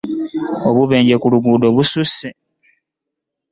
Obubenje ku luguudo bususse.